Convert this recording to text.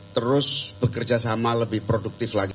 terus bekerjasama lebih produktif lagi